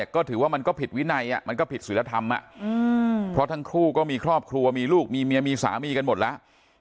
ก็ถือว่ามันก็ผิดวินัยมันก็ผิดศิลธรรมเพราะทั้งคู่ก็มีครอบครัวมีลูกมีเมียมีสามีกันหมดแล้ว